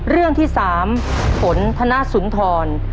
เรื่องที่๓ฝนธนสุนทร